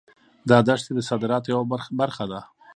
دا دښتې د صادراتو یوه برخه ده.